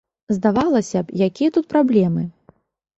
Здавалася б, якія тут праблемы?